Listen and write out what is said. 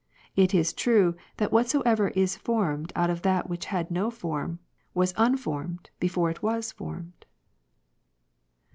It is true, that whatsoever is formed out of that which had no form, was unformed before it was formed.